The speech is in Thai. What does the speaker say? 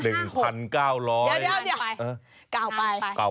๑๙๐๐เดี๋ยว